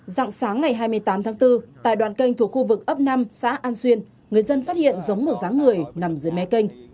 dạng sáng ngày hai mươi tám tháng bốn tại đoạn canh thuộc khu vực ấp năm xã an xuyên người dân phát hiện giống một ráng người nằm dưới mé kênh